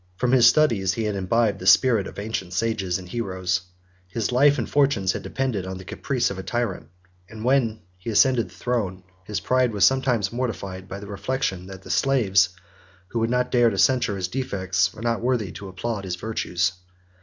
70 From his studies he had imbibed the spirit of ancient sages and heroes; his life and fortunes had depended on the caprice of a tyrant; and when he ascended the throne, his pride was sometimes mortified by the reflection, that the slaves who would not dare to censure his defects were not worthy to applaud his virtues.